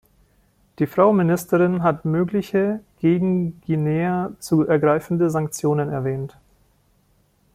Die Frau Ministerin hat mögliche, gegen Guinea zu ergreifende Sanktionen erwähnt.